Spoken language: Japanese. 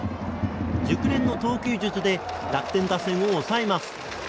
熟練の投球術で楽天打線を抑えます。